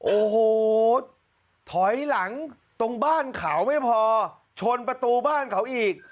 โอ้โหถอยหลังตรงบ้านเขาไม่พอชนประตูบ้านเขาอีก